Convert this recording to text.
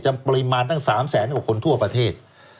จะปริมาณสามแสนคนทั่วประเทศ